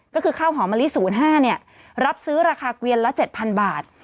ก็คือข้าวหอมะลิ๐๕รับซื้อราคาเกวียนละ๗๐๐บาท